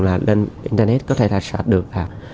lên internet có thể ra sạch được